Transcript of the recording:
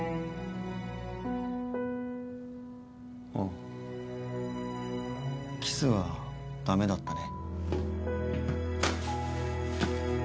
あっキスはダメだったね。